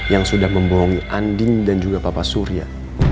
yang sudah membohongi andin dan juga papa surya